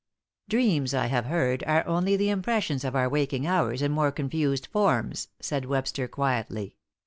"Dreams, I have heard, are only the impressions of our waking hours in more confused forms," said Webster, quietly.